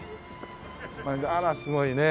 あらすごいね。